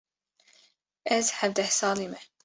Ez hevdeh salî me.